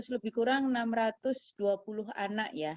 lebih kurang enam ratus dua puluh anak ya